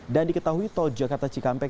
dan diketahui tol jakarta cikampek